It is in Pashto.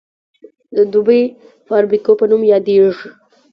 د دوبۍ باربکیو په نامه یادېږي.